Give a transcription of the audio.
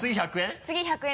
次１００円？